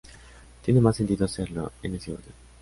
Tiene más sentido hacerlo en ese orden.